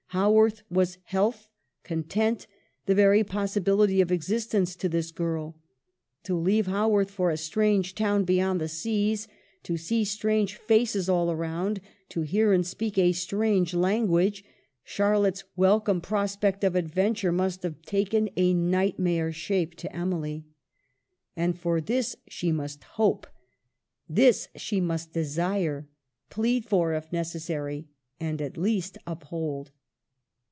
Haworth was health, content, the very possibility of existence to this girl. To leave Haworth for a strange town beyond the seas, to see strange faces all round, to hear and speak a strange lan guage, Charlotte's welcome prospect of adventure must have taken a nightmare shape to Emily. And for this she must hope ; this she must de sire, plead for if necessary, and at least uphold.